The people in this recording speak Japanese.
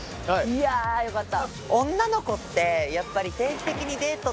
いやよかった。